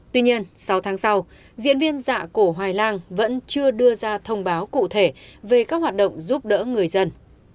tuy nhiên sáu tháng sau diễn viên dạ cổ hoài lang vẫn chưa đưa ra thông báo cụ thể về các hoạt động giúp đỡ người dân